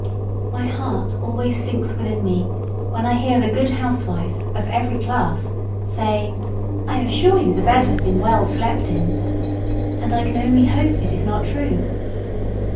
My heart always sinks within me when I hear the good house wife, of every class, say, "I assure you the bed has been well slept in," and I can only hope it is not true.